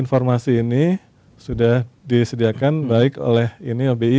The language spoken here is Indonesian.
informasi ini sudah disediakan baik oleh ini lbi